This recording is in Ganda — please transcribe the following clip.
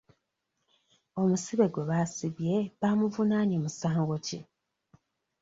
Omusibe gwe baasibye baamuvunaanye musango ki?